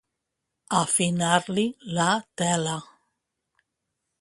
Afinar-li la tela.